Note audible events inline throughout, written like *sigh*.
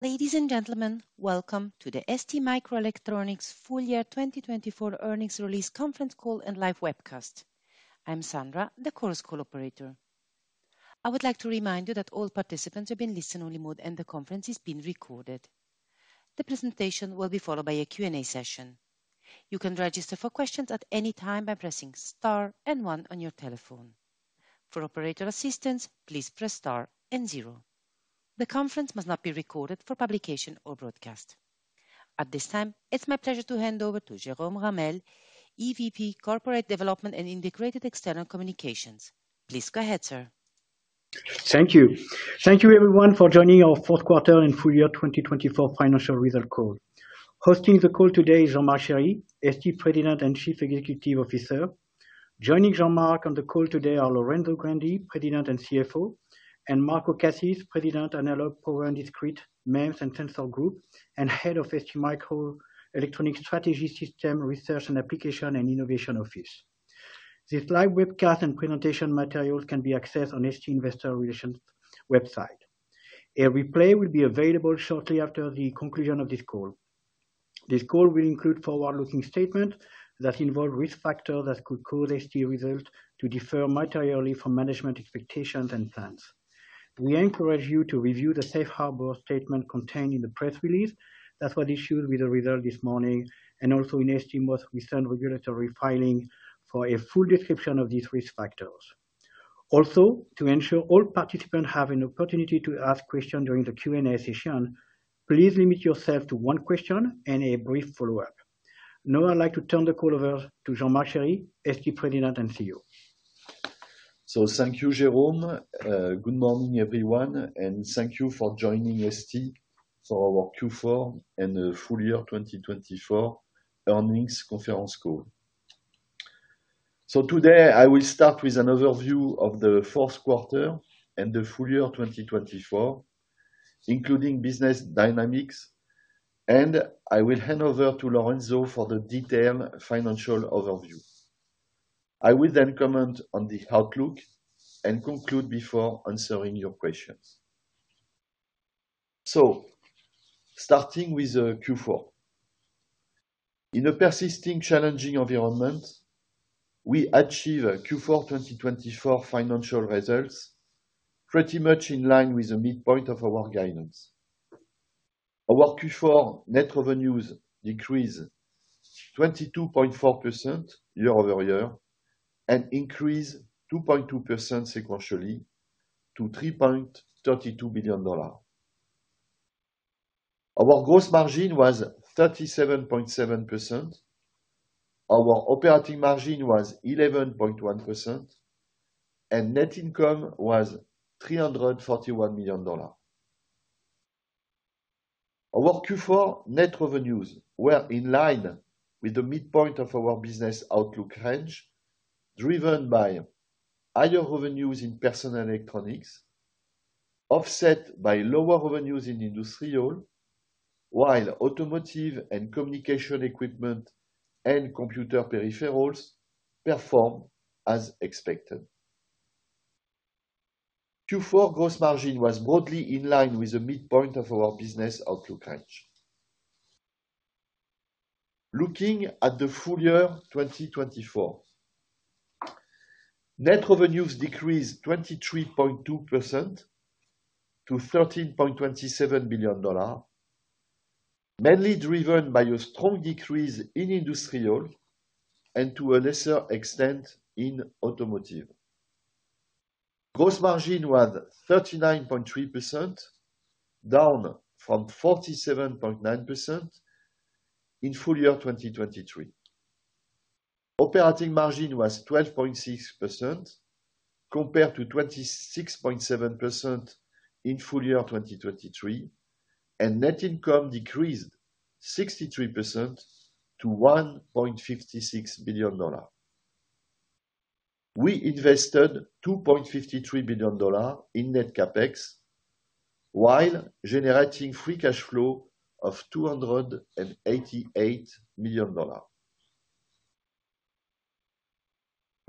Ladies and gentlemen, welcome to the STMicroelectronics' full year 2024 earnings release conference call and live webcast. I'm Sandra, the conference operator. I would like to remind you that all participants are in listen-only mode, and the conference is being recorded. The presentation will be followed by a Q&A session. You can register for questions at any time by pressing star and 1 on your telephone. For operator assistance, please press star and 0. The conference must not be recorded for publication or broadcast. At this time, it's my pleasure to hand over to Jérôme Ramel, EVP, Corporate Development and Integrated External Communications. Please go ahead, sir. Thank you. Thank you, everyone, for joining our fourth quarter and full year 2024 financial results call. Hosting the call today is Jean-Marc Chéry, ST President and Chief Executive Officer. Joining Jean-Marc on the call today are Lorenzo Grandi, President and CFO, and Marco Cassis, President, Analog, Power & Discrete, MEMS and Sensors Group, and Head of STMicroelectronics Strategy, System Research and Application, and Innovation Office. This live webcast and presentation materials can be accessed on the ST Investor Relations website. A replay will be available shortly after the conclusion of this call. This call will include forward-looking statements that involve risk factors that could cause ST results to differ materially from management expectations and plans. We encourage you to review the safe harbor statement contained in the press release that was issued with the results this morning, and also in STM's recent regulatory filing for a full description of these risk factors. Also, to ensure all participants have an opportunity to ask questions during the Q&A session, please limit yourself to one question and a brief follow-up. Now, I'd like to turn the call over to Jean-Marc Chéry, ST President and CEO. Thank you, Jérôme. Good morning, everyone, and thank you for joining ST for our Q4 and full year 2024 earnings conference call. Today, I will start with an overview of the fourth quarter and the full year 2024, including business dynamics, and I will hand over to Lorenzo for the detailed financial overview. I will then comment on the outlook and conclude before answering your questions. Starting with Q4, in a persisting challenging environment, we achieved Q4 2024 financial results pretty much in line with the midpoint of our guidance. Our Q4 net revenues decreased 22.4% year-over-year and increased 2.2% sequentially to $3.32 billion. Our gross margin was 37.7%, our operating margin was 11.1%, and net income was $341 million. Our Q4 net revenues were in line with the midpoint of our business outlook range, driven by higher revenues in personal electronics, offset by lower revenues in industrial, while automotive and communication equipment and computer peripherals performed as expected. Q4 gross margin was broadly in line with the midpoint of our business outlook range. Looking at the full year 2024, net revenues decreased 23.2% to $13.27 billion, mainly driven by a strong decrease in industrial and to a lesser extent in automotive. Gross margin was 39.3%, down from 47.9% in full year 2023. Operating margin was 12.6% compared to 26.7% in full year 2023, and net income decreased 63% to $1.56 billion. We invested $2.53 billion in net CapEx while generating free cash flow of $288 million.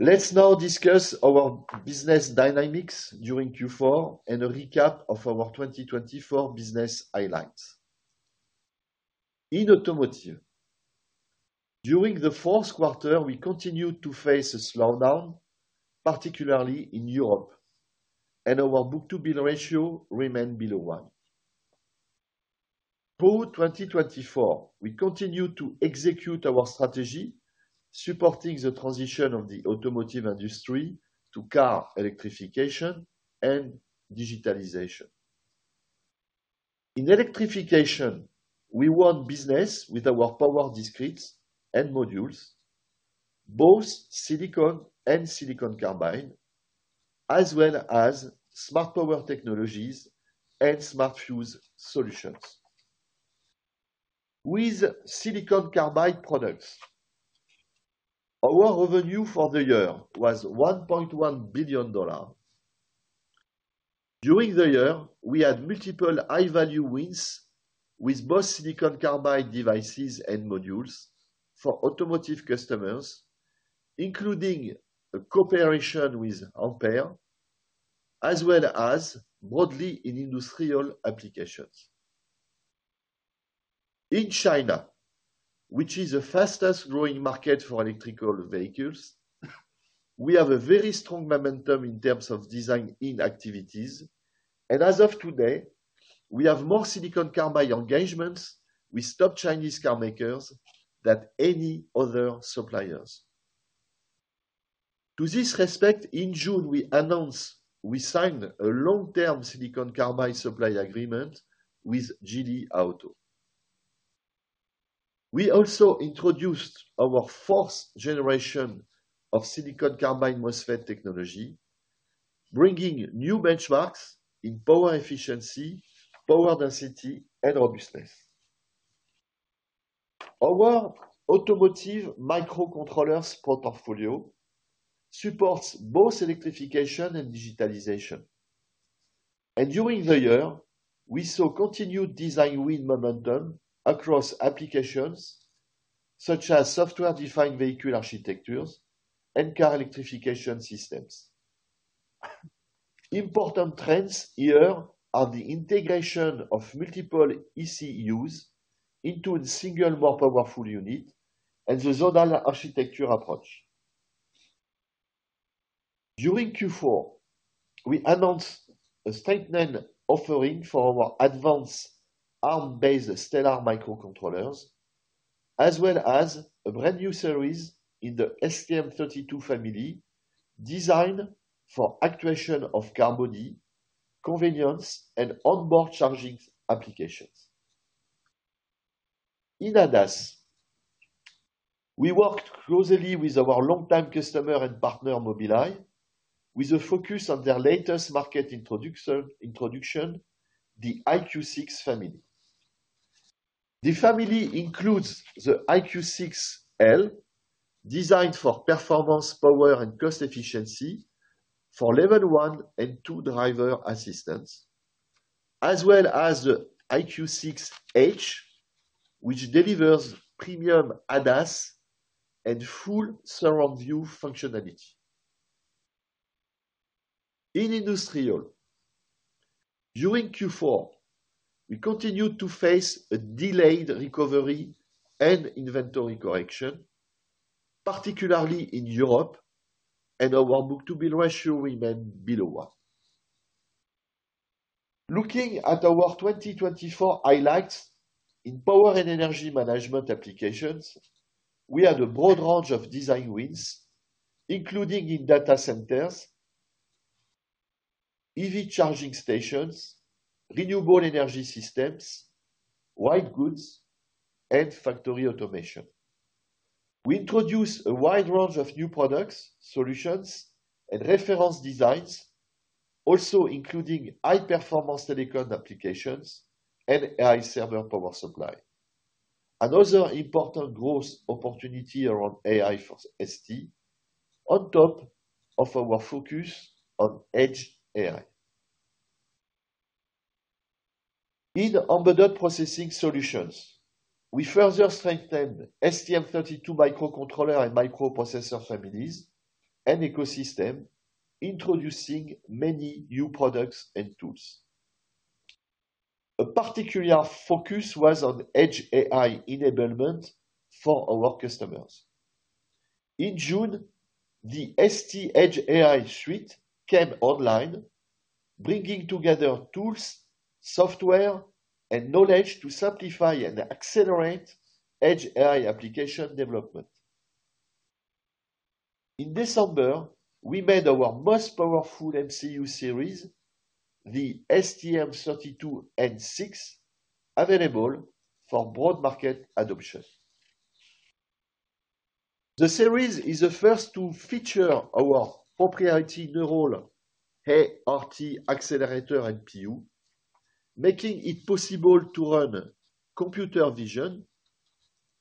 Let's now discuss our business dynamics during Q4 and a recap of our 2024 business highlights. In automotive, during the fourth quarter, we continued to face a slowdown, particularly in Europe, and our book-to-bill ratio remained below one. For 2024, we continued to execute our strategy, supporting the transition of the automotive industry to car electrification and digitalization. In electrification, we won business with our power discrete and modules, both silicon and silicon carbide, as well as smart power technologies and smart fuse solutions. With silicon carbide products, our revenue for the year was $1.1 billion. During the year, we had multiple high-value wins with both silicon carbide devices and modules for automotive customers, including a cooperation with Ampere, as well as broadly in industrial applications. In China, which is the fastest-growing market for electric vehicles, we have a very strong momentum in terms of design-in activities, and as of today, we have more silicon carbide engagements with top Chinese car makers than any other suppliers. To this respect, in June, we announced we signed a long-term silicon carbide supply agreement with Geely Auto. We also introduced our fourth generation of silicon carbide MOSFET technology, bringing new benchmarks in power efficiency, power density, and robustness. Our automotive microcontrollers portfolio supports both electrification and digitalization. And during the year, we saw continued design win momentum across applications such as software-defined vehicle architectures and car electrification systems. Important trends here are the integration of multiple ECUs into a single more powerful unit and the zonal architecture approach. During Q4, we announced a sampling offering for our advanced Arm-based Stellar microcontrollers, as well as a brand new series in the STM32 family designed for actuation of car body, convenience, and onboard charging applications. In ADAS, we worked closely with our longtime customer and partner Mobileye, with a focus on their latest market introduction, the EyeQ6 family. The family includes the EyeQ6L, designed for performance, power, and cost efficiency for level one and two driver assistance, as well as the EyeQ6H, which delivers premium ADAS and full surround view functionality. In industrial, during Q4, we continued to face a delayed recovery and inventory correction, particularly in Europe, and our book-to-bill ratio remained below one. Looking at our 2024 highlights in power and energy management applications, we had a broad range of design wins, including in data centers, EV charging stations, renewable energy systems, white goods, and factory automation. We introduced a wide range of new products, solutions, and reference designs, also including high-performance silicon applications and AI server power supply. Another important growth opportunity around AI for ST, on top of our focus on edge AI. In embedded processing solutions, we further strengthened STM32 microcontroller and microprocessor families and ecosystem, introducing many new products and tools. A particular focus was on edge AI enablement for our customers. In June, the ST Edge AI Suite came online, bringing together tools, software, and knowledge to simplify and accelerate edge AI application development. In December, we made our most powerful MCU series, the STM32N6, available for broad market adoption. The series is the first to feature our proprietary Neural-ART Accelerator NPU, making it possible to run computer vision,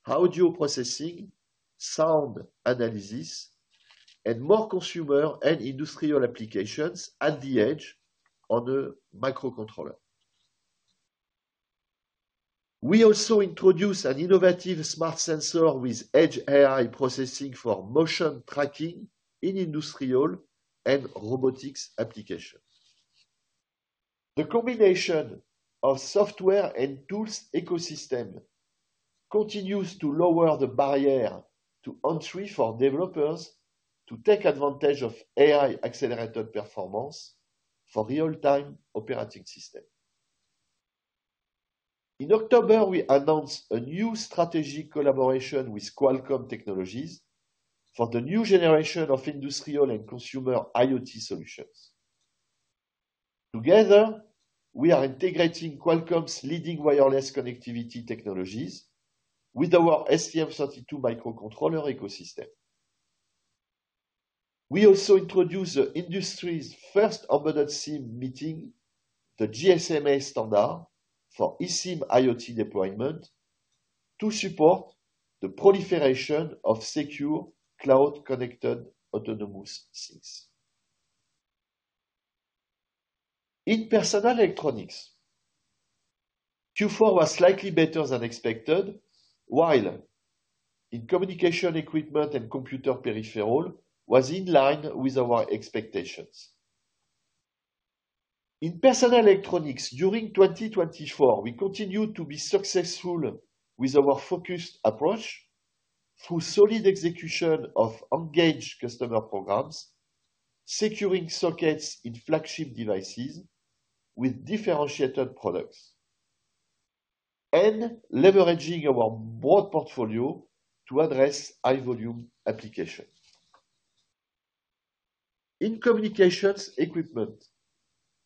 audio processing, sound analysis, and more consumer and industrial applications at the edge on a microcontroller. We also introduced an innovative smart sensor with edge AI processing for motion tracking in industrial and robotics applications. The combination of software and tools ecosystem continues to lower the barrier to entry for developers to take advantage of AI accelerated performance for real-time operating systems. In October, we announced a new strategic collaboration with Qualcomm Technologies for the new generation of industrial and consumer IoT solutions. Together, we are integrating Qualcomm's leading wireless connectivity technologies with our STM32 microcontroller ecosystem. We also introduced the industry's first embedded SIM meeting the GSMA standard for eSIM IoT deployment, to support the proliferation of secure cloud-connected autonomous SIMs. In personal electronics, Q4 was slightly better than expected, while in communication equipment and computer peripherals was in line with our expectations. In personal electronics, during 2024, we continued to be successful with our focused approach through solid execution of engaged customer programs, securing sockets in flagship devices with differentiated products, and leveraging our broad portfolio to address high-volume applications. In communications equipment,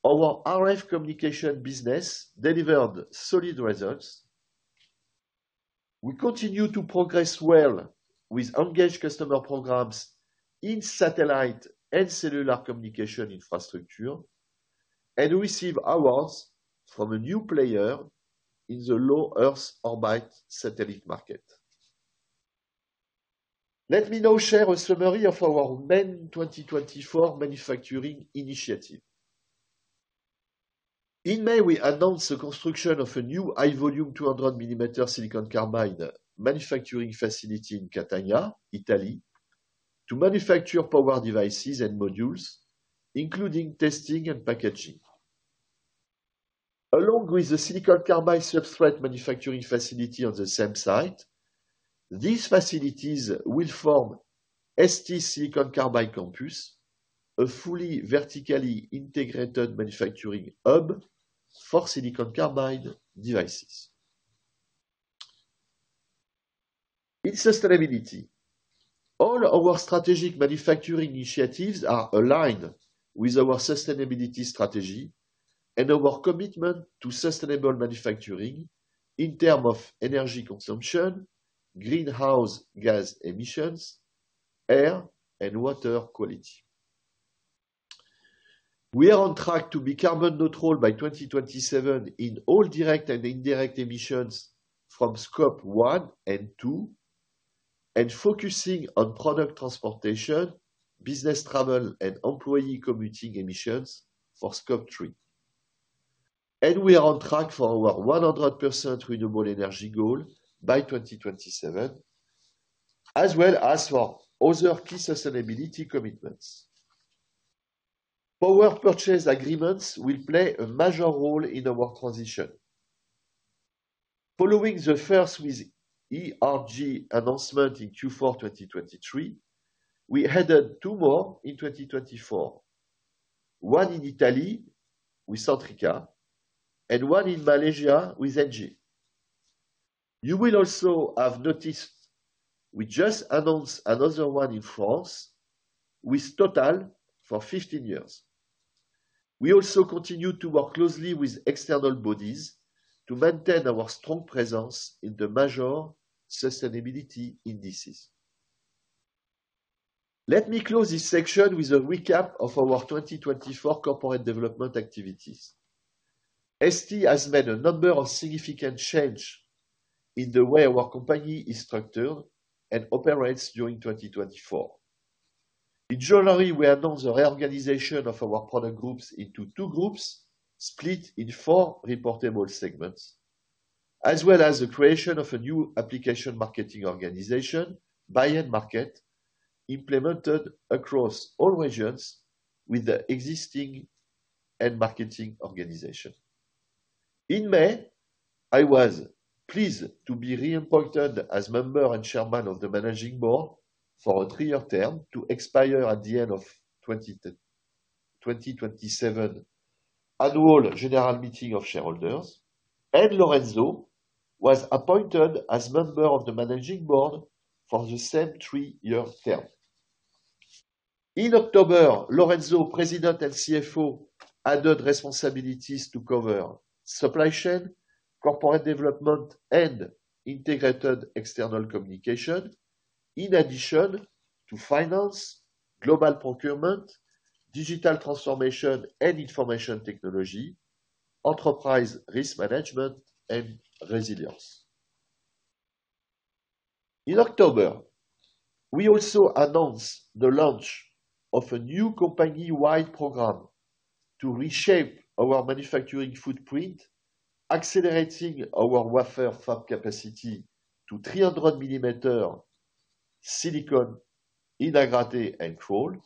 our RF communication business delivered solid results. We continue to progress well with engaged customer programs in satellite and cellular communication infrastructure and received awards from a new player in the low Earth orbit satellite market. Let me now share a summary of our main 2024 manufacturing initiative. In May, we announced the construction of a new high-volume 200mm silicon carbide manufacturing facility in Catania, Italy, to manufacture power devices and modules, including testing and packaging. Along with the silicon carbide substrate manufacturing facility on the same site, these facilities will form ST Silicon Carbide Campus, a fully vertically integrated manufacturing hub for silicon carbide devices. In sustainability, all our strategic manufacturing initiatives are aligned with our sustainability strategy and our commitment to sustainable manufacturing in terms of energy consumption, greenhouse gas emissions, air, and water quality. We are on track to be carbon neutral by 2027 in all direct and indirect emissions from Scope 1 and 2, and focusing on product transportation, business travel, and employee commuting emissions for Scope 3. And we are on track for our 100% renewable energy goal by 2027, as well as for other key sustainability commitments. Power purchase agreements will play a major role in our transition. Following the first ERG announcement in Q4 2023, we added two more in 2024, one in Italy with Centrica and one in Malaysia with Engie. You will also have noticed we just announced another one in France with Total for 15 years. We also continue to work closely with external bodies to maintain our strong presence in the major sustainability indices. Let me close this section with a recap of our 2024 corporate development activities. ST has made a number of significant changes in the way our company is structured and operates during 2024. In January, we announced the reorganization of our product groups into two groups split in four reportable segments, as well as the creation of a new application marketing organization, by end market, implemented across all regions with the existing marketing organization. In May, I was pleased to be reappointed as member and chairman of the managing board for a three-year term to expire at the end of 2027 annual general meeting of shareholders, and Lorenzo was appointed as member of the managing board for the same three-year term. In October, Lorenzo, President and CFO, added responsibilities to cover supply chain, corporate development, and integrated external communication, in addition to finance, global procurement, digital transformation, and information technology, enterprise risk management, and resilience. In October, we also announced the launch of a new company-wide program to reshape our manufacturing footprint, accelerating our wafer fab capacity to 300mm silicon in Agrate and Crolles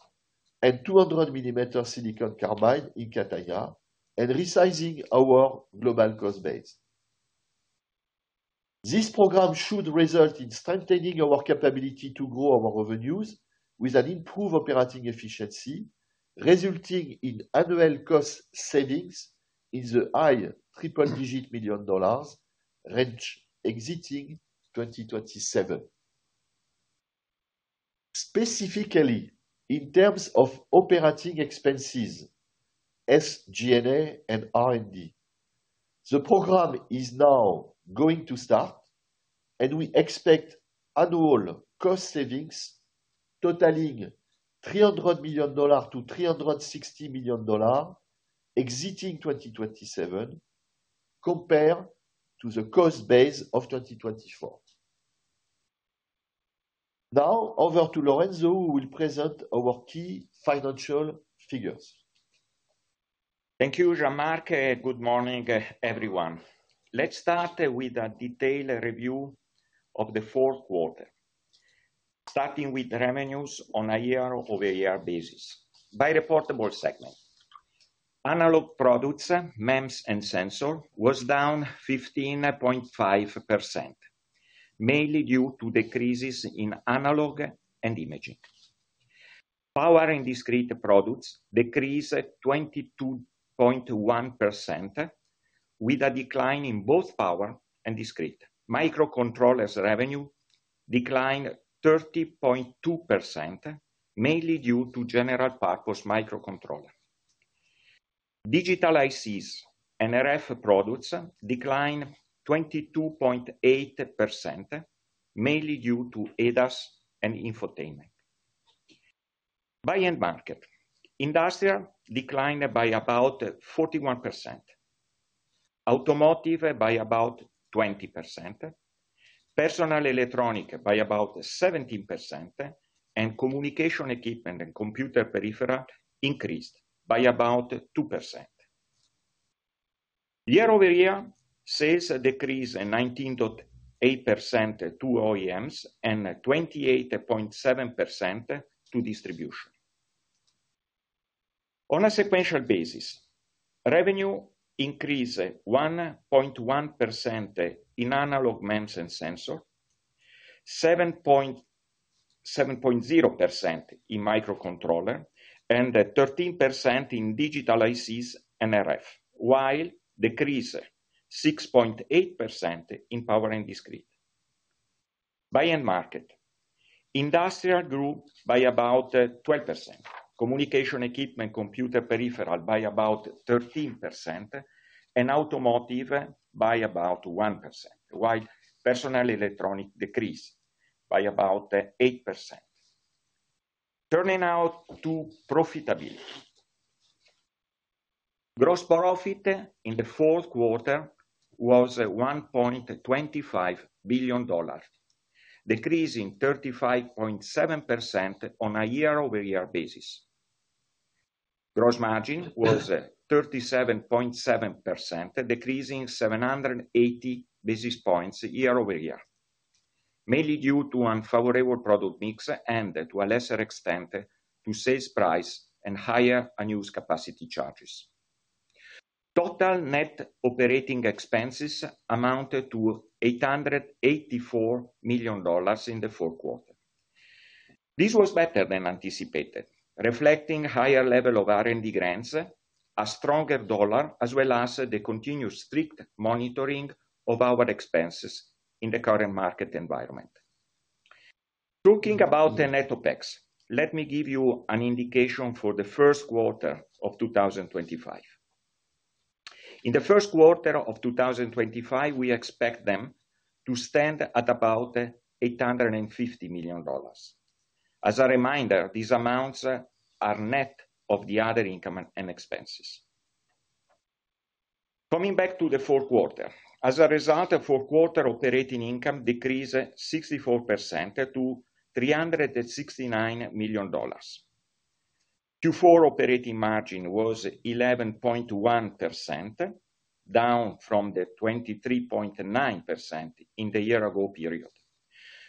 and 200mm silicon carbide in Catania, and resizing our global cost base. This program should result in strengthening our capability to grow our revenues with an improved operating efficiency, resulting in annual cost savings in the high triple-digit million dollars range exiting 2027. Specifically, in terms of operating expenses, SG&A and R&D, the program is now going to start, and we expect annual cost savings totaling $300 million-$360 million exiting 2027 compared to the cost base of 2024. Now, over to Lorenzo, who will present our key financial figures. Thank you, Jean-Marc, and good morning, everyone. Let's start with a detailed review of the fourth quarter, starting with revenues on a year-over-year basis by reportable segment. Analog products, MEMS and sensors, were down 15.5%, mainly due to decreases in analog and imaging. Power and discrete products decreased 22.1%, with a decline in both power and discrete. Microcontrollers revenue declined 30.2%, mainly due to general purpose microcontrollers. Digital ICs and RF products declined 22.8%, mainly due to ADAS and infotainment. By market, industrial, declined by about 41%. Automotive, by about 20%. Personal electronics, by about 17%, and communication equipment and computer peripherals increased by about 2%. Year-over-year, sales decreased 19.8% to OEMs and 28.7% to distribution. On a sequential basis, revenue increased 1.1% in analog MEMS and sensors, 7.0% in microcontrollers, and 13% in digital ICs and RF, while decreased 6.8% in power and discrete. By market, industrial grew by about 12%. Communication equipment, computer peripherals, by about 13%, and automotive, by about 1%, while personal electronics decreased by about 8%. Turning now to profitability. Gross profit in the fourth quarter was $1.25 billion, decreasing 35.7% on a year-over-year basis. Gross margin was 37.7%, decreasing 780 basis points year-over-year, mainly due to unfavorable product mix and, to a lesser extent, to sales price and higher unused capacity charges. Total net operating expenses amounted to $884 million in the fourth quarter. This was better than anticipated, reflecting a higher level of R&D grants, a stronger dollar, as well as the continued strict monitoring of our expenses in the current market environment. Talking about the net OpEx, let me give you an indication for the first quarter of 2025. In the first quarter of 2025, we expect them to stand at about $850 million. As a reminder, these amounts are net of the other income and expenses. Coming back to the fourth quarter, as a result, the fourth quarter operating income decreased 64% to $369 million. Q4 operating margin was 11.1%, down from the 23.9% in the year-ago period,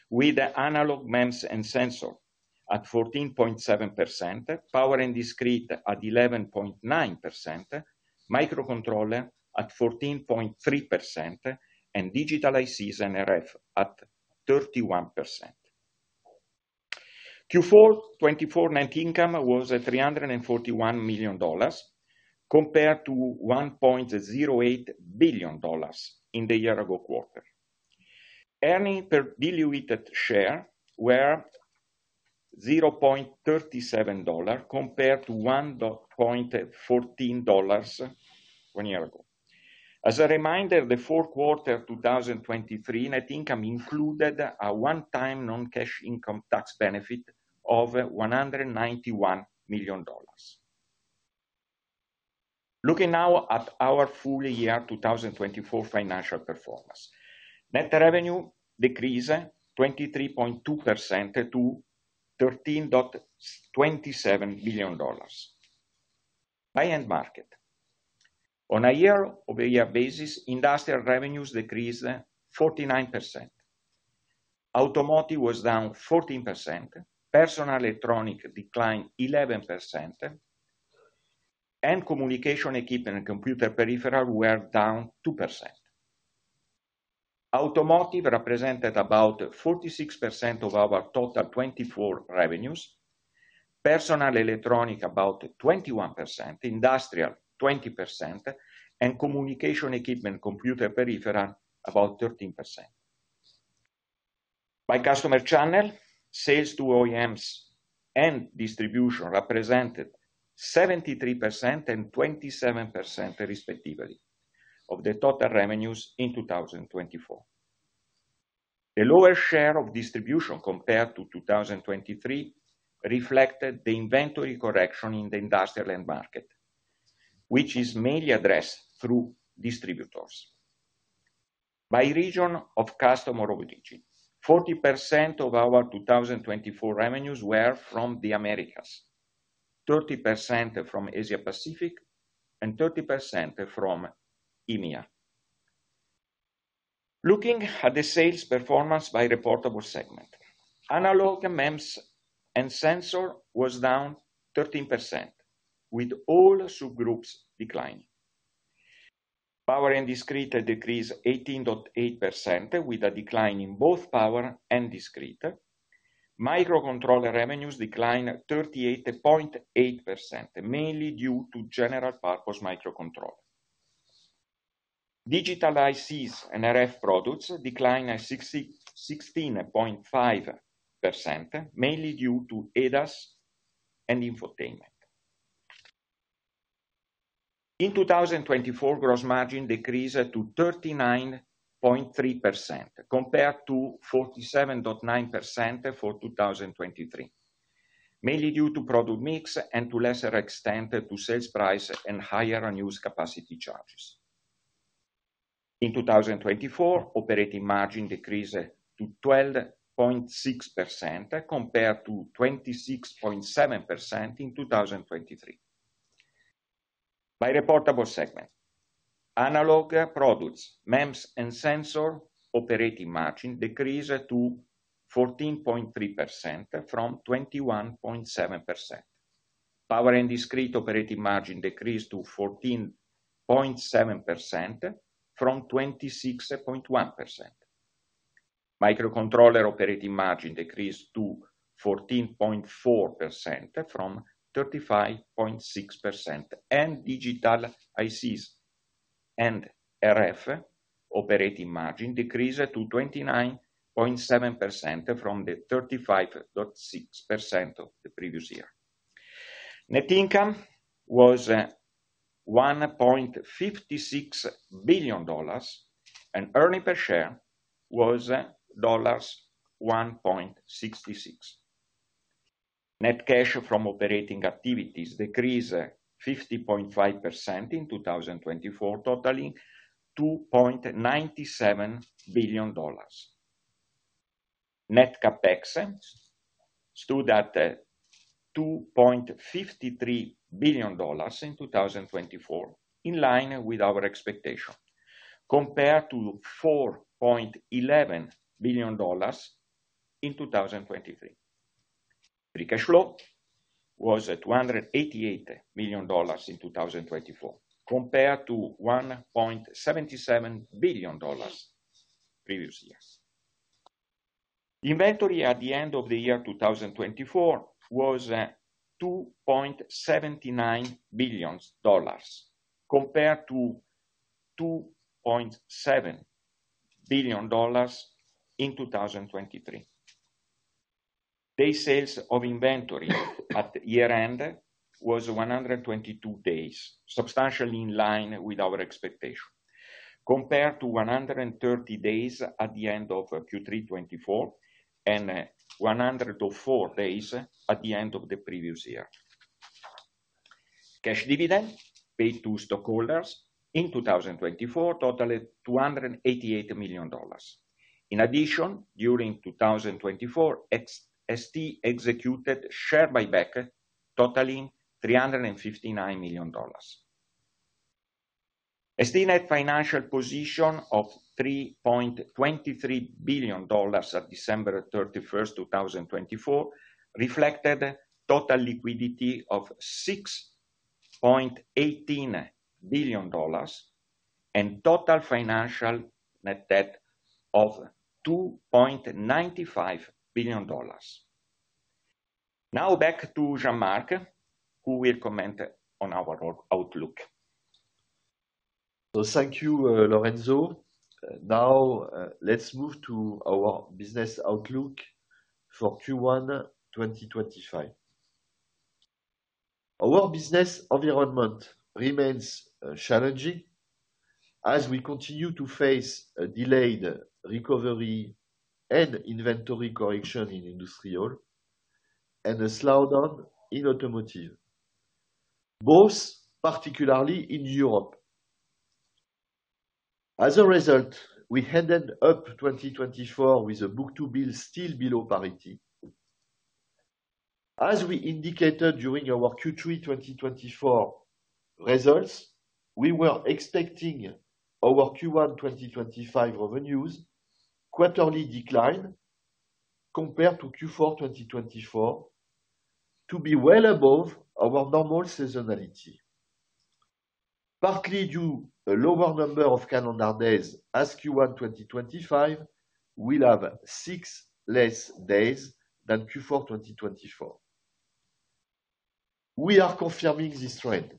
with analog MEMS and sensors at 14.7%, power and discrete at 11.9%, microcontrollers at 14.3%, and digital ICs and RF at 31%. Q4 24 net income was $341 million dollars compared to $1.08 billion dollars in the year-ago quarter. Earnings per diluted share were $0.37 compared to $1.14 one year ago. As a reminder, the fourth quarter 2023 net income included a one-time non-cash income tax benefit of $191 million. Looking now at our full year 2024 financial performance, net revenue decreased 23.2% to $13.27 billion. By market, on a year-over-year basis, industrial revenues decreased 49%. Automotive was down 14%. Personal electronics declined 11%, and communication equipment and computer peripherals were down 2%. Automotive represented about 46% of our total 2024 revenues, personal electronics about 21%, industrial 20%, and communication equipment, computer peripherals about 13%. By customer channel, sales to OEMs and distribution represented 73% and 27%, respectively, of the total revenues in 2024. The lower share of distribution compared to 2023 reflected the inventory correction in the industrial market, which is mainly addressed through distributors. By region of customer origin, 40% of our 2024 revenues were from the Americas, 30% from Asia-Pacific, and 30% from EMEA. Looking at the sales performance by reportable segment, analog MEMS and sensors was down 13%, with all subgroups declining. Power and discrete decreased 18.8%, with a decline in both power and discrete. Microcontroller revenues declined 38.8%, mainly due to general purpose microcontroller. Digital ICs and RF products declined 16.5%, mainly due to ADAS and infotainment. In 2024, gross margin decreased to 39.3% compared to 47.9% for 2023, mainly due to product mix and, to a lesser extent, to sales price and higher unused capacity charges. In 2024, operating margin decreased to 12.6% compared to 26.7% in 2023. By reportable segment, analog products, MEMS and sensors operating margin decreased to 14.3% from 21.7%. Power and discrete operating margin decreased to 14.7% from 26.1%. Microcontroller operating margin decreased to 14.4% from 35.6%, and digital ICs and RF operating margin decreased to 29.7% from the 35.6% of the previous year. Net income was $1.56 billion, and earnings per share was $1.66. Net cash from operating activities decreased 50.5% in 2024, totaling $2.97 billion. Net CapEx stood at $2.53 billion in 2024, in line with our expectation, compared to $4.11 billion in 2023. Free cash flow was $288 million in 2024, compared to $1.77 billion previous year. Inventory at the end of the year 2024 was $2.79 billion, compared to $2.7 billion in 2023. Days sales of inventory at year-end was 122 days, substantially in line with our expectation, compared to 130 days at the end of Q3 2024 and 104 days at the end of the previous year. Cash dividend paid to stockholders in 2024 totaled $288 million. In addition, during 2024, ST executed share buyback totaling $359 million. ST net financial position of $3.23 billion at December 31, 2024, reflected total liquidity of $6.18 billion and total financial net debt of $2.95 billion. Now, back to Jean-Marc, who will comment on our outlook. Thank you, Lorenzo. Now, let's move to our business outlook for Q1 2025. Our business environment remains challenging as we continue to face a delayed recovery and inventory correction in industrial and a slowdown in automotive, both particularly in Europe. As a result, we ended 2024 with a book-to-bill still below parity. As we indicated during our Q3 2024 results, we were expecting our Q1 2025 revenues to quarterly decline compared to Q4 2024, to be well above our normal seasonality, partly due to a lower number of calendar days as Q1 2025. We'll have six less days than Q4 2024. We are confirming this trend.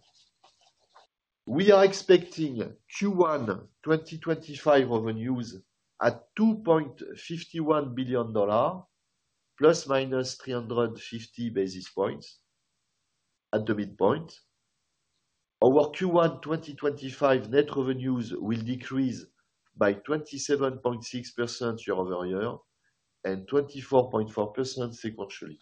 We are expecting Q1 2025 revenues at $2.51 billion, plus or minus 350 basis points at the midpoint. Our Q1 2025 net revenues will decrease by 27.6% year-over-year and 24.4% sequentially.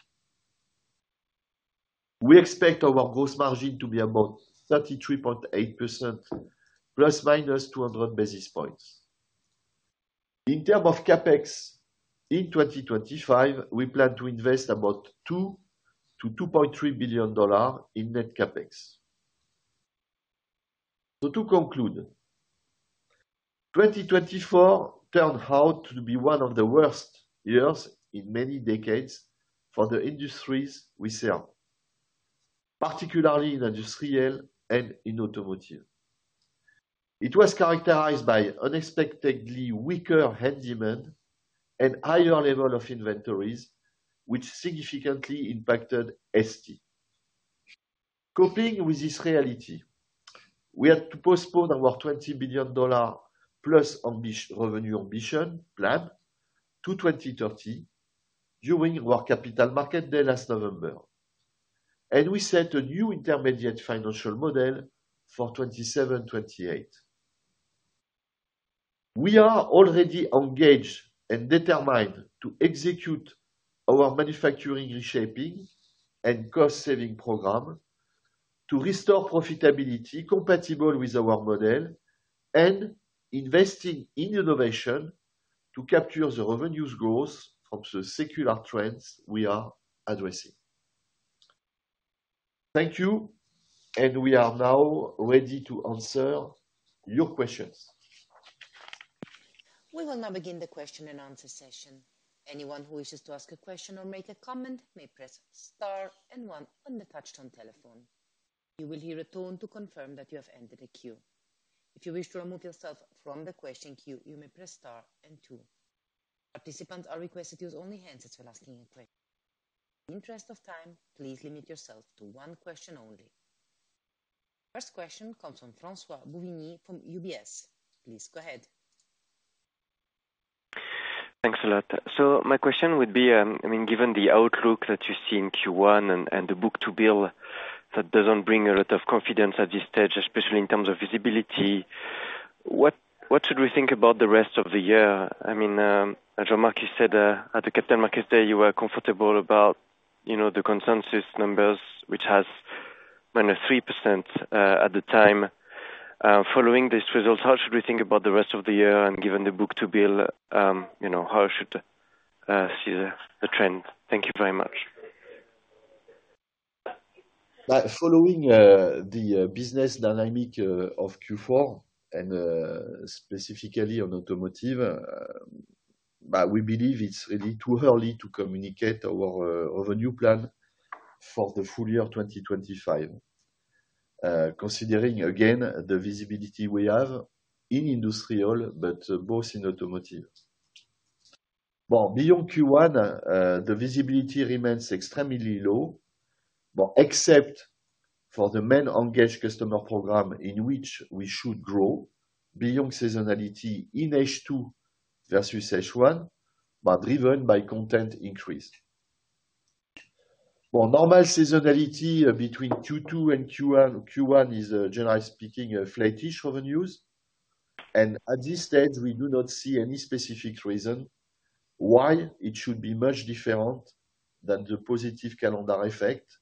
We expect our gross margin to be about 33.8%, plus minus 200 basis points. In terms of CapEx in 2025, we plan to invest about $2 billion-$2.3 billion in net CapEx. To conclude, 2024 turned out to be one of the worst years in many decades for the industries we serve, particularly in industrial and in automotive. It was characterized by unexpectedly weaker end demand and higher level of inventories, which significantly impacted ST. Coping with this reality, we had to postpone our $20 billion-plus revenue ambition plan to 2030 during our capital market day last November, and we set a new intermediate financial model for 2027-2028. We are already engaged and determined to execute our manufacturing reshaping and cost-saving program to restore profitability compatible with our model and investing in innovation to capture the revenues growth from the secular trends we are addressing. Thank you, and we are now ready to answer your questions. We will now begin the question and answer session. Anyone who wishes to ask a question or make a comment may press star and one on the touch-tone telephone. You will hear a tone to confirm that you have entered a queue. If you wish to remove yourself from the question queue, you may press star and two. Participants are requested to use only handsets while asking a question. In the interest of time, please limit yourself to one question only. First question comes from François-Xavier Bouvignies from UBS. Please go ahead. Thanks a lot. So, my question would be, I mean, given the outlook that you see in Q1 and the book-to-bill that doesn't bring a lot of confidence at this stage, especially in terms of visibility, what should we think about the rest of the year? I mean, Jean-Marc, you said at the Capital Markets Day, you were comfortable about the consensus numbers, which has -3% at the time. Following these results, how should we think about the rest of the year? And given the book-to-bill, how should we see the trend? Thank you very much. Following the business dynamic of Q4, and specifically on automotive, we believe it's really too early to communicate our revenue plan for the full year 2025, considering, again, the visibility we have in industrial, but both in automotive. Well, beyond Q1, the visibility remains extremely low, except for the main engaged customer program in which we should grow beyond seasonality in H2 versus H1, driven by content increase. Normal seasonality between Q2 and Q1 is, generally speaking, flattish revenues. And at this stage, we do not see any specific reason why it should be much different than the positive calendar effect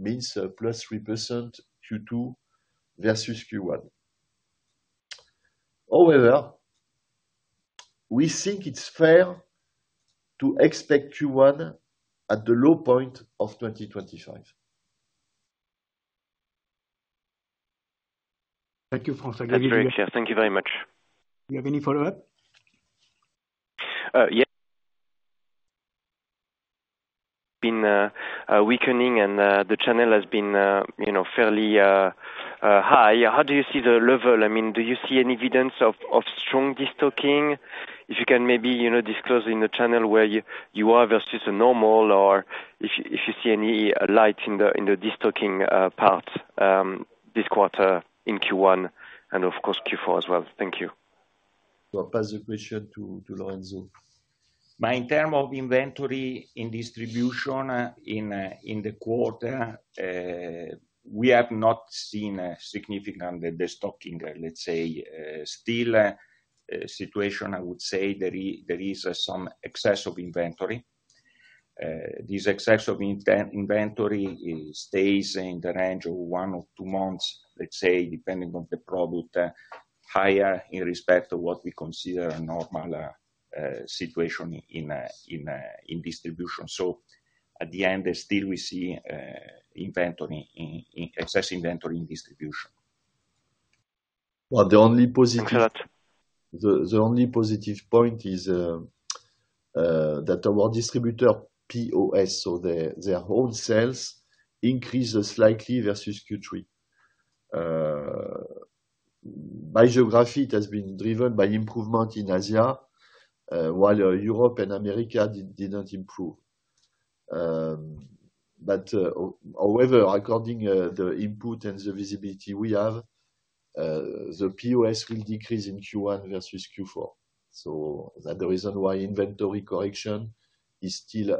means plus 3% Q2 versus Q1. However, we think it's fair to expect Q1 at the low point of 2025. Thank you, François-Xavier Bouvignies. Thank you very much. Do you have any follow-up? Yes. It's been weakening, and the channel has been fairly high. How do you see the level? I mean, do you see any evidence of strong distocking? If you can maybe disclose in the channels where you are versus the normal, or if you see any light in the destocking part this quarter in Q1 and, of course, Q4 as well. Thank you. I'll pass the question to Lorenzo. In terms of inventory in distribution in the quarter, we have not seen significant destocking, let's say, still a situation. I would say there is some excess of inventory. This excess of inventory stays in the range of one or two months, let's say, depending on the product, higher in respect of what we consider a normal situation in distribution. So, at the end, still we see excess inventory in distribution. Well, the only positive point is that our distributor POS, so their wholesales, increased slightly versus Q3. By geography, it has been driven by improvement in Asia, while Europe and Americas did not improve. But, however, according to the input and the visibility we have, the POS will decrease in Q1 versus Q4. So, that's the reason why inventory correction is still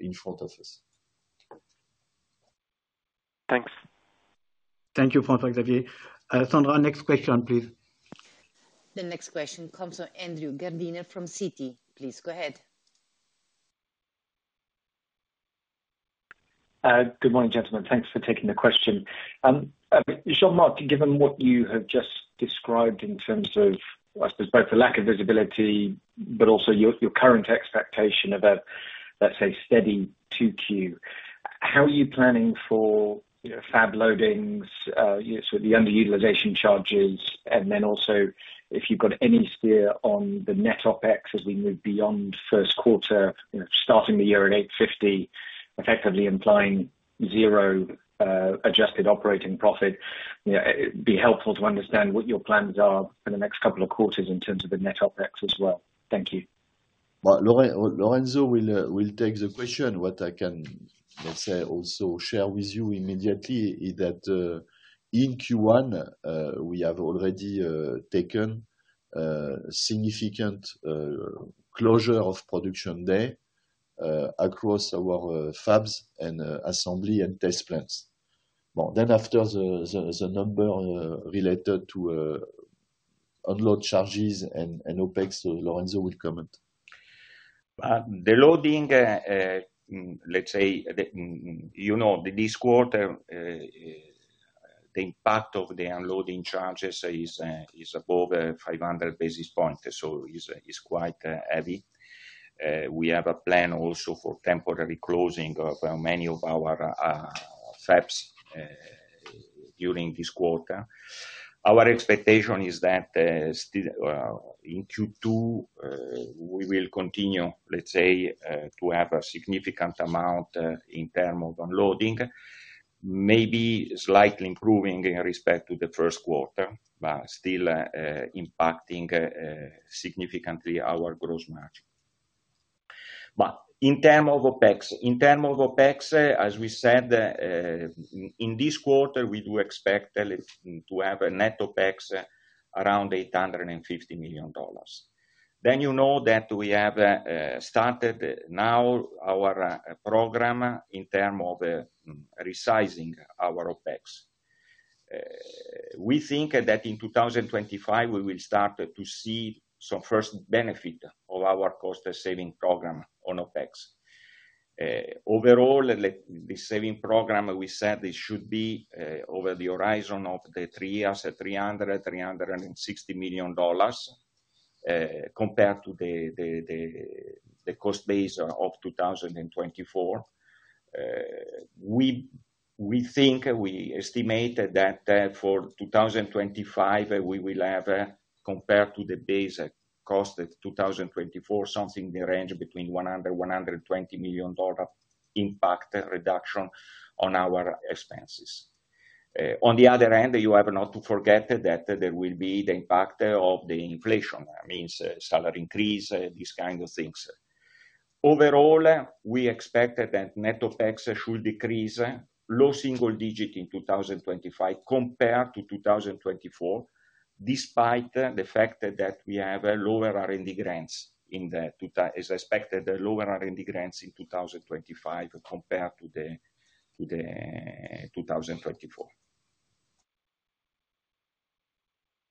in front of us. Thanks. Thank you, François-Xavier. Sandra, next question, please. The next question comes from Andrew Gardiner from Citi. Please go ahead. Good morning, gentlemen. Thanks for taking the question. Jean-Marc, given what you have just described in terms of, I suppose, both the lack of visibility, but also your current expectation of a, let's say, steady Q2, how are you planning for fab loadings, sort of the underutilization charges, and then also if you've got any steer on the net OpEx as we move beyond first quarter, starting the year at 850, effectively implying zero adjusted operating profit, it'd be helpful to understand what your plans are for the next couple of quarters in terms of the net OpEx as well. Thank you. Well, Lorenzo, we'll take the question. What I can, let's say, also share with you immediately is that in Q1, we have already taken significant closures of production days across our fabs and assembly and test plants. Well, then after the number related to underutilization charges and OpEx, Lorenzo will comment. The loading, let's say, this quarter, the impact of the unloading charges is above 500 basis points, so it's quite heavy. We have a plan also for temporary closing of many of our fabs during this quarter. Our expectation is that in Q2, we will continue, let's say, to have a significant amount in terms of unloading, maybe slightly improving in respect to the first quarter, but still impacting significantly our gross margin. But in terms of OpEx, in terms of OpEx, as we said, in this quarter, we do expect to have a net OpEx around $850 million. Then you know that we have started now our program in terms of resizing our OpEx. We think that in 2025, we will start to see some first benefit of our cost-saving program on OpEx. Overall, the saving program, we said, it should be over the horizon of the three years, $300 million-$360 million compared to the cost base of 2024. We think we estimate that for 2025, we will have, compared to the base cost of 2024, something in the range between $100 million-$120 million impact reduction on our expenses. On the other hand, you have not to forget that there will be the impact of the inflation, means salary increase, these kinds of things. Overall, we expect that net OpEx should decrease, low single digit in 2025 compared to 2024, despite the fact that we have lower R&D grants in the expected lower R&D grants in 2025 compared to 2024.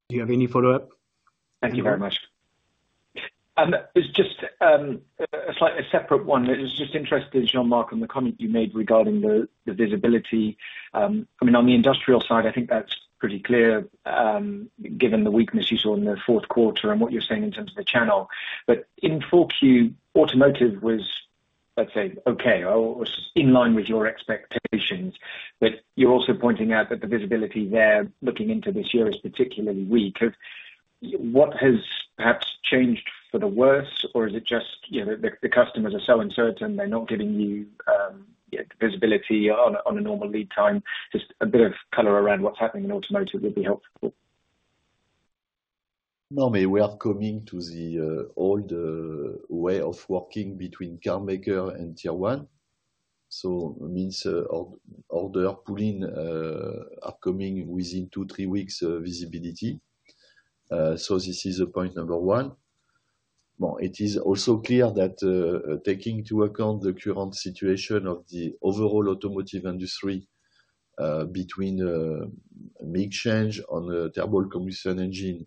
Do you have any follow-up? Thank you very much. Just a slightly separate one. It was just interesting, Jean-Marc, on the comment you made regarding the visibility. I mean, on the industrial side, I think that's pretty clear given the weakness you saw in the fourth quarter and what you're saying in terms of the channel. But in full Q, automotive was, let's say, okay, or in line with your expectations. But you're also pointing out that the visibility there, looking into this year, is particularly weak. What has perhaps changed for the worse, or is it just the customers are so uncertain, they're not giving you visibility on a normal lead time? Just a bit of color around what's happening in automotive would be helpful. Normally, we are coming to the old way of working between car maker and tier one. So it means order pulling upcoming within two, three weeks visibility. So this is point number one. It is also clear that taking into account the current situation of the overall automotive industry between a big change on the turbo combustion engine,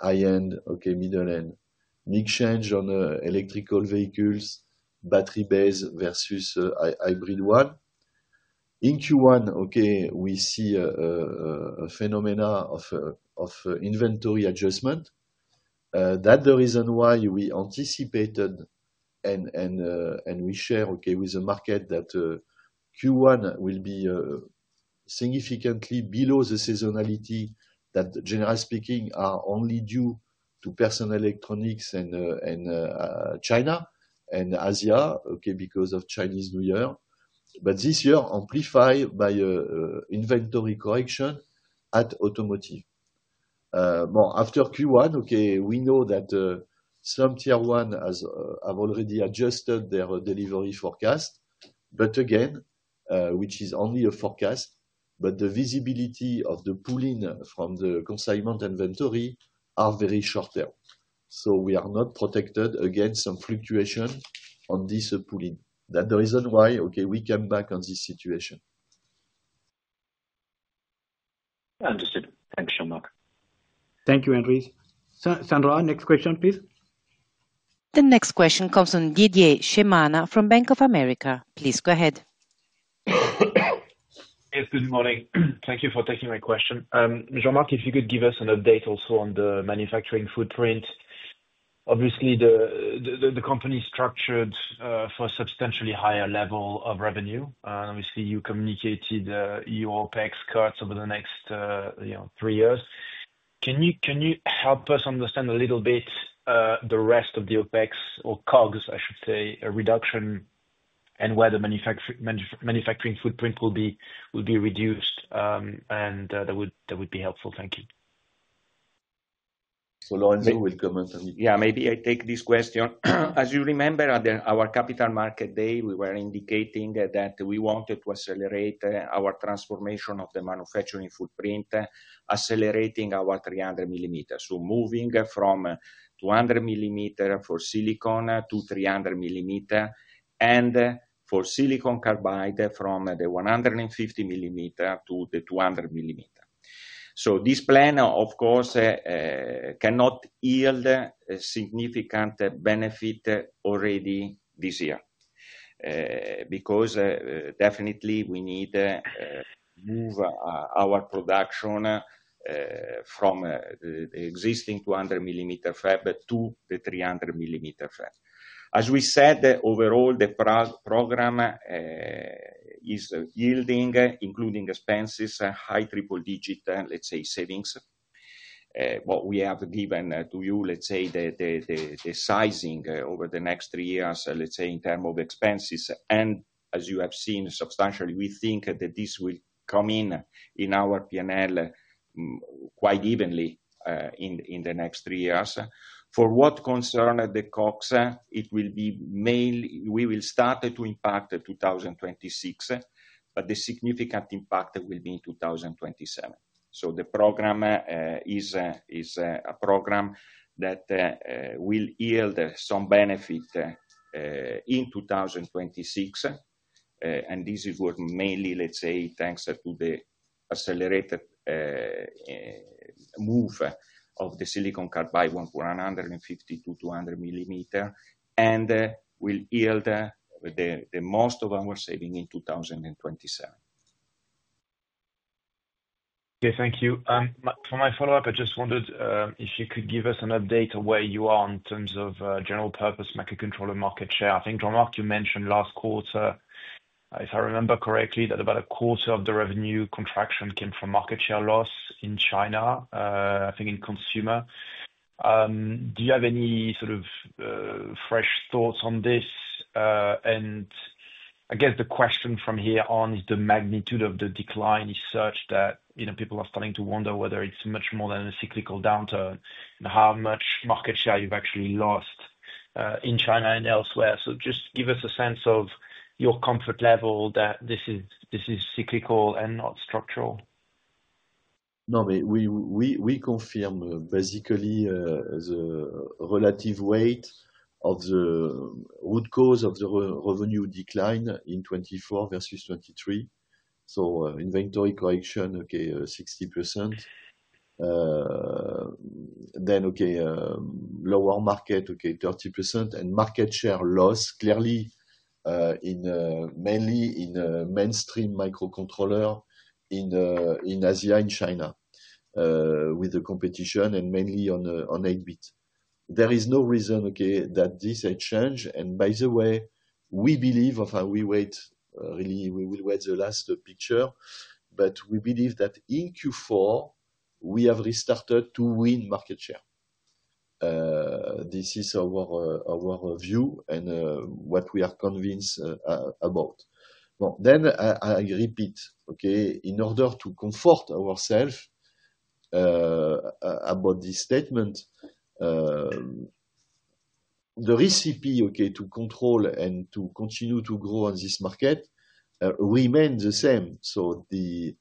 high-end, okay, middle-end, big change on electric vehicles, battery-based versus hybrid one. In Q1, okay, we see a phenomenon of inventory adjustment. That's the reason why we anticipated and we share with the market that Q1 will be significantly below the seasonality that, generally speaking, are only due to personal electronics and China and Asia, okay, because of Chinese New Year. But this year amplified by inventory correction at automotive. After Q1, okay, we know that some tier one have already adjusted their delivery forecast, but again, which is only a forecast, but the visibility of the pulling from the consignment inventory are very short term. So we are not protected against some fluctuation on this pulling. That's the reason why, okay, we came back on this situation. Understood. Thanks, Jean-Marc. Thank you, Andrew. Sandra, next question, please. The next question comes from Didier Scemama from Bank of America. Please go ahead. Yes, good morning. Thank you for taking my question. Jean-Marc, if you could give us an update also on the manufacturing footprint. Obviously, the company is structured for a substantially higher level of revenue. And obviously, you communicated your OpEx cuts over the next three years. Can you help us understand a little bit the rest of the OpEx or COGS, I should say, reduction and where the manufacturing footprint will be reduced? And that would be helpful. Thank you. So, Lorenzo, will comment on it. Yeah, maybe I take this question. As you remember, at our Capital Market Day, we were indicating that we wanted to accelerate our transformation of the manufacturing footprint, accelerating our 300 millimeters. So moving from 200 millimeter for silicon to 300 millimeter and for silicon carbide from the 150 millimeter to the 200 millimeter. So this plan, of course, cannot yield a significant benefit already this year because definitely we need to move our production from the existing 200 millimeter fab to the 300 millimeter fab. As we said, overall, the program is yielding, including expenses, high triple-digit, let's say, savings. What we have given to you, let's say, the sizing over the next three years, let's say, in terms of expenses. And as you have seen, substantially, we think that this will come in our P&L quite evenly in the next three years. For what concerns the COGS, it will be mainly we will start to impact 2026, but the significant impact will be in 2027, so the program is a program that will yield some benefit in 2026, and this is mainly, let's say, thanks to the accelerated move of the silicon carbide from 150 to 200 millimeter, and we'll yield the most of our saving in 2027. Okay, thank you. For my follow-up, I just wondered if you could give us an update on where you are in terms of general-purpose microcontroller market share. I think, Jean-Marc, you mentioned last quarter, if I remember correctly, that about a quarter of the revenue contraction came from market share loss in China, I think in consumer. Do you have any sort of fresh thoughts on this? I guess the question from here on is the magnitude of the decline is such that people are starting to wonder whether it's much more than a cyclical downturn and how much market share you've actually lost in China and elsewhere. Just give us a sense of your comfort level that this is cyclical and not structural. No, we confirm basically the relative weight of the root cause of the revenue decline in 2024 versus 2023. Inventory correction, okay, 60%. Okay, lower market, okay, 30%. Market share loss, clearly mainly in mainstream microcontroller in Asia, in China, with the competition and mainly on 8-bit. There is no reason, okay, that this has changed. By the way, we believe, really, we will wait the last picture, but we believe that in Q4, we have restarted to win market share. This is our view and what we are convinced about, then I repeat, okay, in order to comfort ourselves about this statement, the recipe, okay, to control and to continue to grow on this market remains the same, so the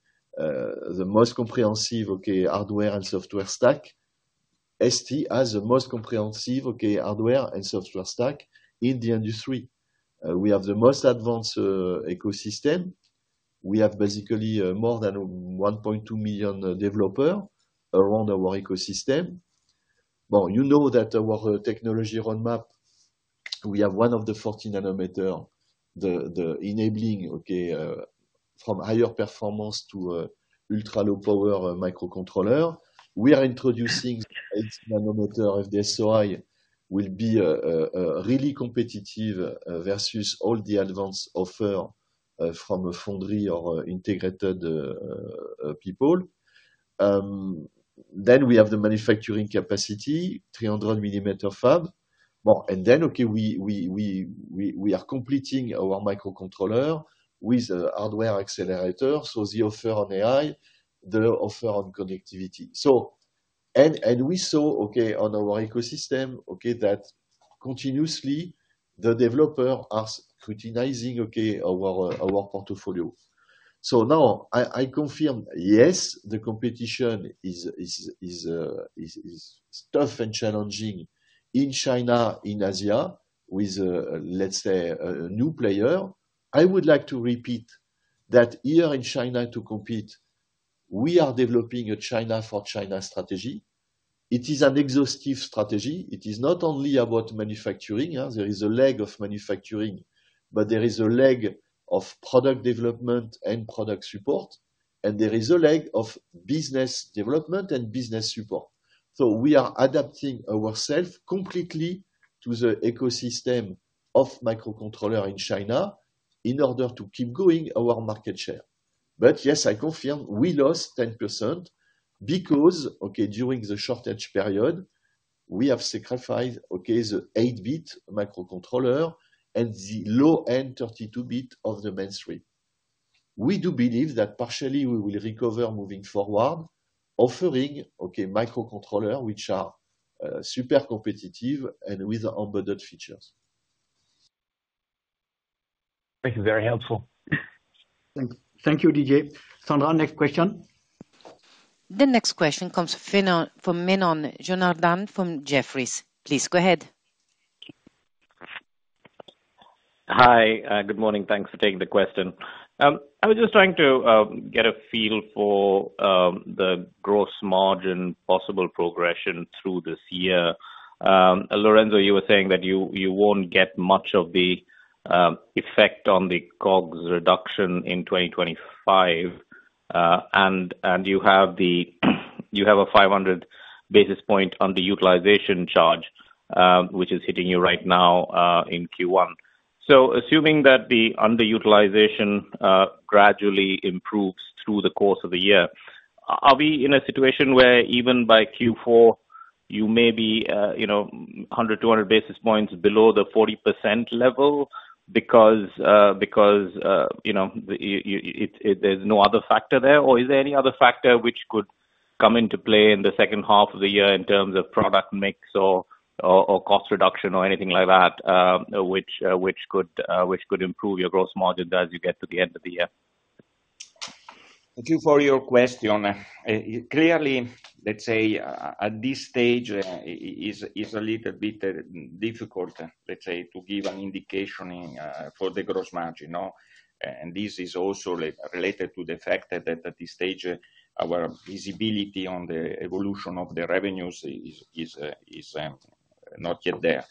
most comprehensive hardware and software stack, ST has the most comprehensive hardware and software stack in the industry. We have the most advanced ecosystem. We have basically more than 1.2 million developers around our ecosystem, well, you know that our technology roadmap, we have one of the 14 nanometer, the enabling, okay, from higher performance to ultra-low power microcontroller. We are introducing 18 nanometer FD-SOI will be really competitive versus all the advanced offer from a foundry or integrated people, then we have the manufacturing capacity, 300 mm fab, well, and then, okay, we are completing our microcontroller with hardware accelerator, so the offer on AI, the offer on connectivity. We saw on our ecosystem that continuously the developers are scrutinizing our portfolio. So now I confirm, yes, the competition is tough and challenging in China, in Asia, with, let's say, a new player. I would like to repeat that here in China to compete, we are developing a China for China strategy. It is an exhaustive strategy. It is not only about manufacturing. There is a leg of manufacturing, but there is a leg of product development and product support. And there is a leg of business development and business support. So we are adapting ourselves completely to the ecosystem of microcontroller in China in order to keep going our market share. But yes, I confirm we lost 10% because during the shortage period, we have sacrificed the 8-bit microcontroller and the low-end 32-bit of the mainstream. We do believe that partially we will recover moving forward, offering, okay, microcontroller, which are super competitive and with embedded features. Thank you. Very helpful. Thank you, Didier. Sandra, next question. The next question comes from Janardan Menon from Jefferies. Please go ahead. Hi, good morning. Thanks for taking the question. I was just trying to get a feel for the gross margin possible progression through this year. Lorenzo, you were saying that you won't get much of the effect on the COGS reduction in 2025. And you have a 500 basis point underutilization charge, which is hitting you right now in Q1. So assuming that the underutilization gradually improves through the course of the year, are we in a situation where even by Q4, you may be 100, 200 basis points below the 40% level because there's no other factor there? Or is there any other factor which could come into play in the second half of the year in terms of product mix or cost reduction or anything like that, which could improve your gross margin as you get to the end of the year? Thank you for your question. Clearly, let's say, at this stage, it's a little bit difficult, let's say, to give an indication for the gross margin. And this is also related to the fact that at this stage, our visibility on the evolution of the revenues is not yet there.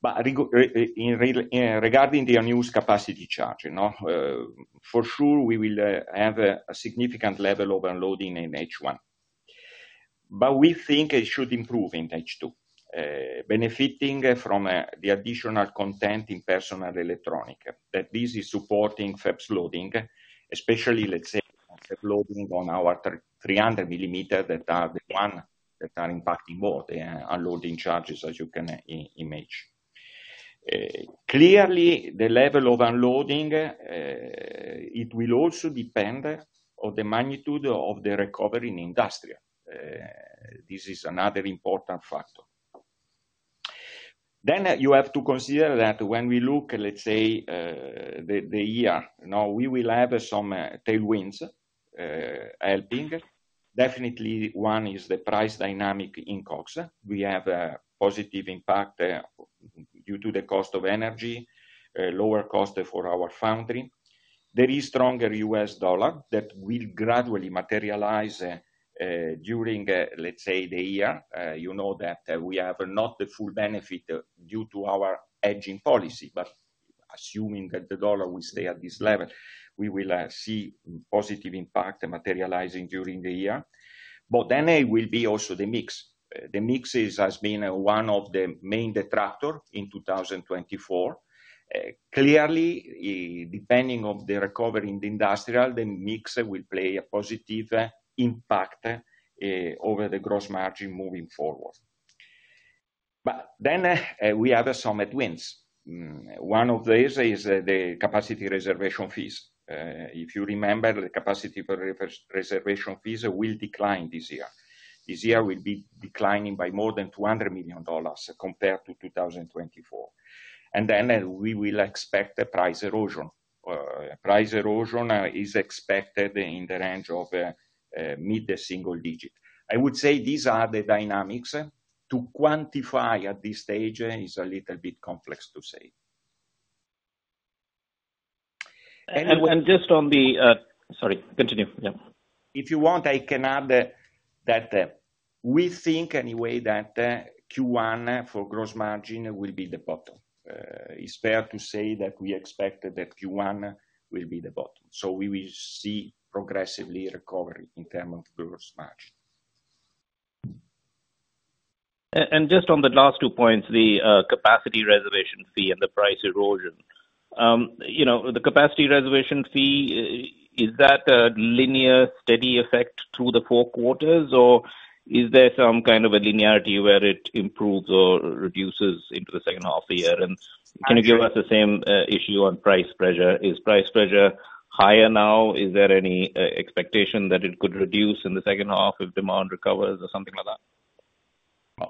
But regarding the unused capacity charge, for sure, we will have a significant level of unloading in H1. But we think it should improve in H2, benefiting from the additional content in personal electronics. That this is supporting FEPS loading, especially, let's say, FEPS loading on our 300 millimeters that are the one that are impacting both unloading charges, as you can imagine. Clearly, the level of unloading, it will also depend on the magnitude of the recovery in industry. This is another important factor. Then you have to consider that when we look, let's say, the year, we will have some tailwinds helping. Definitely, one is the price dynamic in COGS. We have a positive impact due to the cost of energy, lower cost for our foundry. There is stronger U.S. dollar that will gradually materialize during, let's say, the year. You know that we have not the full benefit due to our hedging policy, but assuming that the dollar will stay at this level, we will see positive impact materializing during the year. But then it will be also the mix. The mix has been one of the main detractors in 2024. Clearly, depending on the recovery in the industrial, the mix will play a positive impact over the gross margin moving forward, but then we have some headwinds. One of these is the capacity reservation fees. If you remember, the capacity reservation fees will decline this year. This year will be declining by more than $200 million compared to 2024, and then we will expect price erosion. Price erosion is expected in the range of mid- to single-digit. I would say these are the dynamics. To quantify at this stage is a little bit complex to say. *crosstalk* If you want, I can add that we think anyway that Q1 for gross margin will be the bottom. It's fair to say that we expect that Q1 will be the bottom. So we will see progressively recovery in terms of gross margin. And just on the last two points, the capacity reservation fee and the price erosion. The capacity reservation fee, is that a linear, steady effect through the four quarters, or is there some kind of a linearity where it improves or reduces into the second half of the year? And can you give us the same issue on price pressure? Is price pressure higher now? Is there any expectation that it could reduce in the second half if demand recovers or something like that?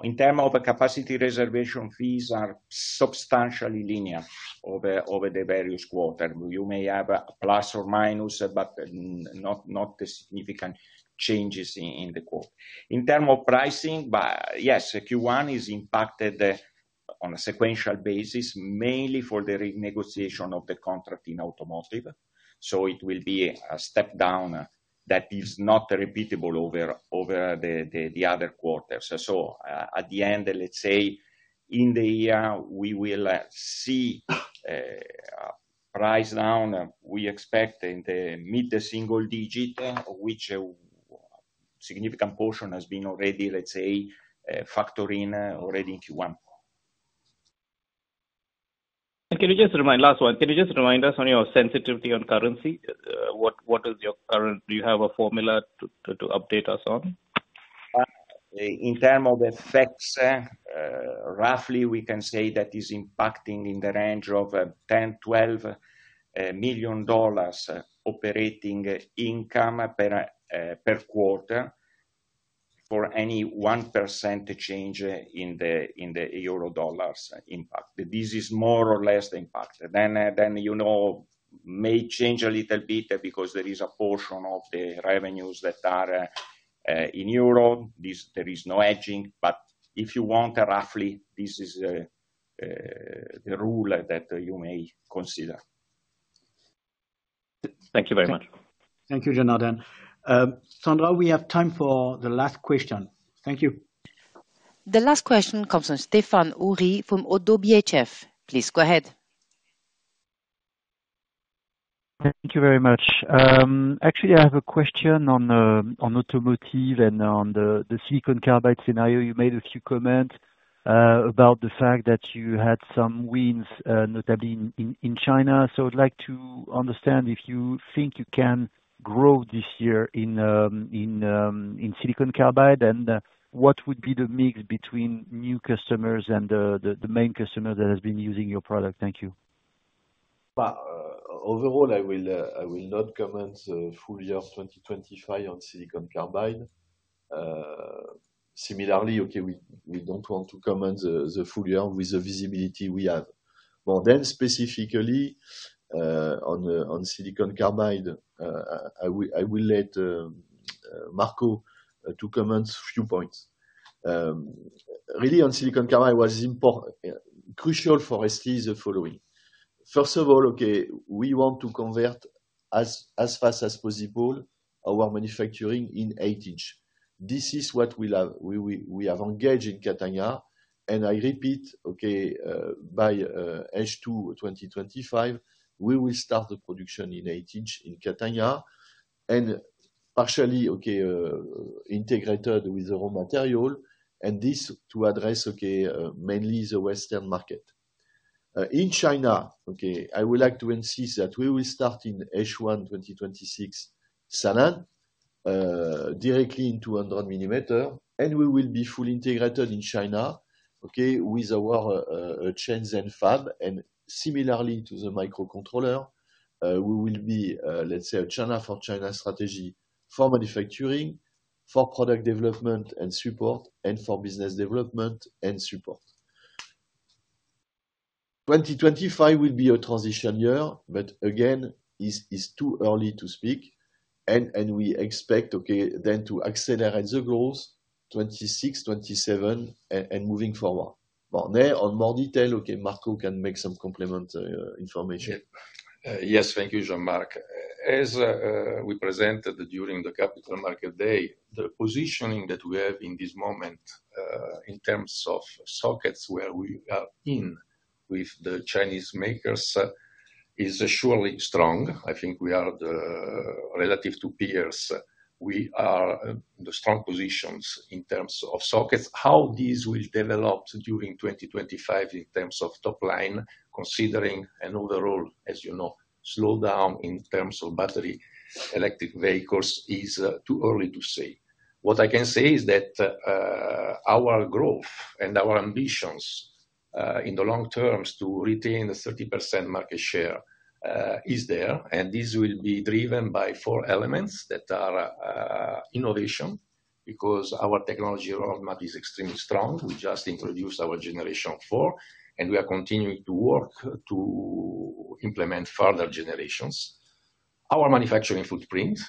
In terms of capacity reservation fees, they are substantially linear over the various quarters. You may have plus or minus, but not significant changes in the quarter. In terms of pricing, yes, Q1 is impacted on a sequential basis, mainly for the renegotiation of the contract in automotive. So it will be a step down that is not repeatable over the other quarters. So at the end, let's say, in the year, we will see price down. We expect in the mid to single digit, which a significant portion has been already, let's say, factored in already in Q1. And can you just remind last one, can you just remind us on your sensitivity on currency? What is your current? Do you have a formula to update us on? In terms of effects, roughly, we can say that it is impacting in the range of $10 million-$12 million operating income per quarter for any 1% change in the euro dollars impact. This is more or less the impact. Then you may change a little bit because there is a portion of the revenues that are in euro. There is no hedging. But if you want roughly, this is the rule that you may consider. Thank you very much. Thank you, Jonathan. Sandra, we have time for the last question. Thank you. The last question comes from Stéphane Houri from Oddo BHF. Please go ahead. Thank you very much. Actually, I have a question on automotive and on the silicon carbide scenario. You made a few comments about the fact that you had some wins, notably in China. So I'd like to understand if you think you can grow this year in silicon carbide and what would be the mix between new customers and the main customers that have been using your product. Thank you. Overall, I will not comment full year 2025 on silicon carbide. Similarly, okay, we don't want to comment the full year with the visibility we have. Specifically on silicon carbide, I will let Marco to comment a few points. Really, on silicon carbide, what is crucial for ST is the following. First of all, okay, we want to convert as fast as possible our manufacturing in 8-inch. This is what we have engaged in Catania. And I repeat, okay, by H2 2025, we will start the production in 8-inch in Catania and partially integrated with the raw material. And this to address, okay, mainly the Western market. In China, okay, I would like to insist that we will start in H1 2026, Sanan, directly in 200 millimeter. And we will be fully integrated in China, okay, with our chains and fab. And similarly to the microcontroller, we will be, let's say, a China for China strategy for manufacturing, for product development and support, and for business development and support. 2025 will be a transition year, but again, it's too early to speak, and we expect, okay, then to accelerate the growth in 2026, 2027, and moving forward, but on more detail, okay, Marco can make some complementary information. Yes, thank you, Jean-Marc. As we presented during the Capital Market Day, the positioning that we have in this moment in terms of sockets where we are in with the Chinese makers is surely strong. I think we are relative to peers. We are in the strong positions in terms of sockets. How these will develop during 2025 in terms of top line, considering an overall, as you know, slowdown in terms of battery electric vehicles is too early to say. What I can say is that our growth and our ambitions in the long term to retain the 30% market share is there. This will be driven by four elements that are innovation because our technology roadmap is extremely strong. We just introduced our generation four, and we are continuing to work to implement further generations. Our manufacturing footprint,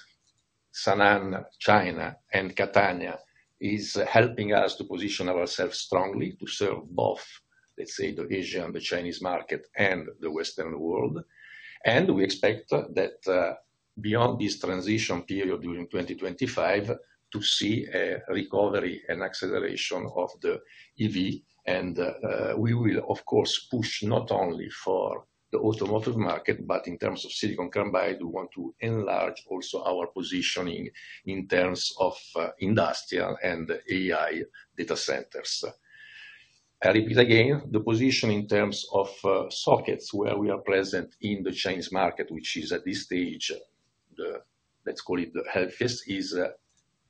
Sanan, China, and Catania is helping us to position ourselves strongly to serve both, let's say, the Asian, the Chinese market, and the Western world. We expect that beyond this transition period during 2025 to see a recovery and acceleration of the EV. We will, of course, push not only for the automotive market, but in terms of silicon carbide, we want to enlarge also our positioning in terms of industrial and AI data centers. I repeat again, the position in terms of sockets where we are present in the Chinese market, which is at this stage, let's call it the healthiest, is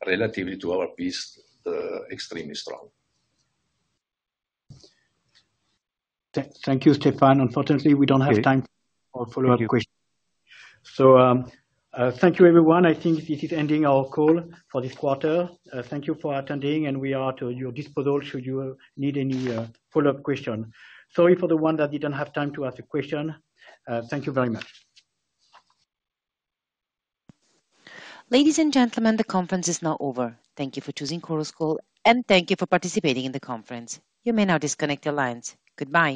relatively to our piece, extremely strong. Thank you, Stéphane. Unfortunately, we don't have time for follow-up questions. So thank you, everyone. I think this is ending our call for this quarter. Thank you for attending, and we are at your disposal should you need any follow-up question. Sorry for the one that didn't have time to ask a question. Thank you very much. Ladies and gentlemen, the conference is now over. Thank you for choosing Chorus Call, and thank you for participating in the conference. You may now disconnect your lines. Goodbye.